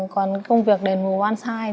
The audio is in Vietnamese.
còn công việc đền mù one size